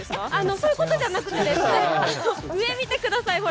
そういうことじゃなくて上を見てください。